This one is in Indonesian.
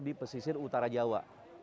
di pesisir utara jawa